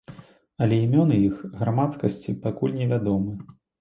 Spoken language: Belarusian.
Але імёны іх грамадскасці пакуль не вядомыя.